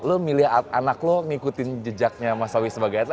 lo milih anak lo ngikutin jejaknya mas awi sebagai atlet